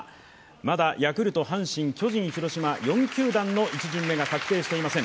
まだヤクルト、阪神、巨人、広島、４球団の１巡目が確定していません。